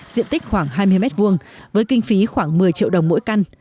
diện tích khoảng hai mươi mét vuông với kinh phí khoảng một mươi triệu đồng mỗi căn